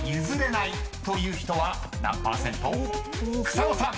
［草野さん］